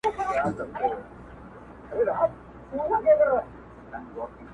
خدايه ژر ځوانيمرگ کړې چي له غمه خلاص سو.